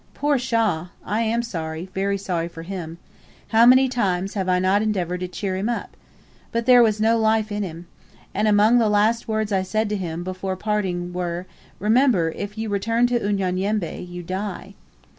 Poor Shaw! I am sorry very sorry for him. How many times have I not endeavoured to cheer him up! But there was no life in him. And among the last words I said to him, before parting, were, 'Remember, if you return to Unyanyembe, you die!'"